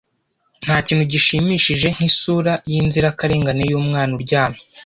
Ntakintu gishimishije nkisura yinzirakarengane yumwana uryamye.